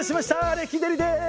レキデリです。